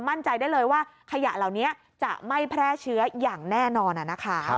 มั่นใจได้เลยว่าขยะเหล่านี้จะไม่แพร่เชื้ออย่างแน่นอนนะคะ